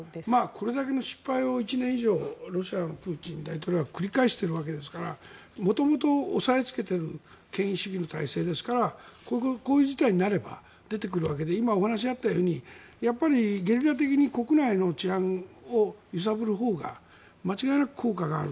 これだけの失敗を１年以上ロシアがプーチン大統領も繰り返しているので元々押さえつけている権威主義の体制ですからこういう事態になれば出てくるわけで今、お話にあったようにやっぱりゲリラ的に国内の治安を揺さぶるほうが間違いなく効果がある。